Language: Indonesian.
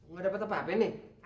gak dapet apa apa nih